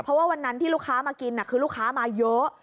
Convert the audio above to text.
เพราะว่าวันนั้นที่ลูกค้ามากินคือลูกค้ามาเยอะ